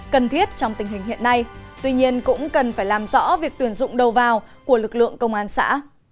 cần thiết trong tình hình hiện nay tuy nhiên cũng cần phải làm rõ việc tuyển dụng đầu vào của lực lượng công an xã